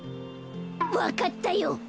わかったよ。